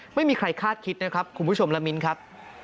ไม่มีใครคาดคิดนะครับคุณผู้ชมละมิ้นครับ